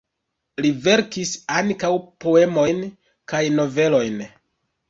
Li verkis ankaŭ poemojn kaj novelojn.